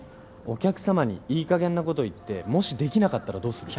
お客様にいいかげんなこと言ってもしできなかったらどうする？